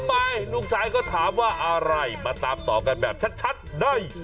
ไปลูกชายก็ถามว่าอะไรมาตามต่อกันแบบชัดได้